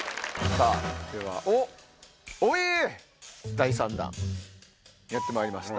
第３弾やってまいりました。